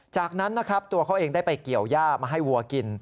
จากนั้นนะครับตัวเขาเองได้ไปเกี่ยวย่ามาให้วัวกิน